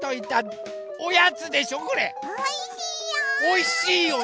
おいしいよ！